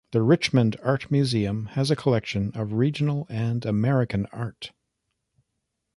The Richmond Art Museum has a collection of regional and American art.